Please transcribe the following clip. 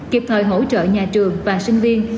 kiệp thời hỗ trợ nhà trường và sinh viên